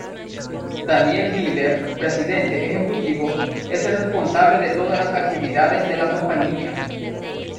Daniel Miller, presidente ejecutivo, es el responsable de todas las actividades de la compañía.